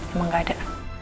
emang gak ada